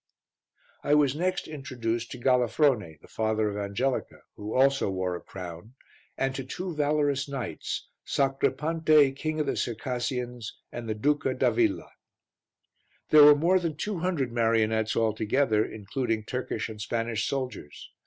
I was next introduced to Galafrone, the father of Angelica, who also wore a crown, and to two valorous knights, Sacripante, King of the Circassians, and the Duca d'Avilla. There were more than two hundred marionettes altogether, including Turkish and Spanish soldiers.